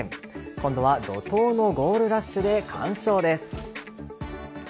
今度は怒涛のゴールラッシュで完勝です。